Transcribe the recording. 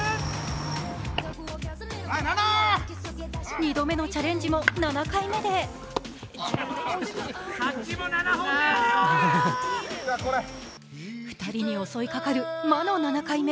２度目のチャレンジも７回目で２人に襲いかかる魔の７回目。